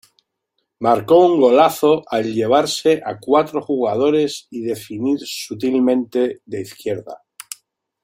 Marcó un golazo al llevarse a cuatro jugadores y definir sutilmente de izquierda.